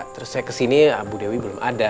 terus saya ke sini abu dewi belum ada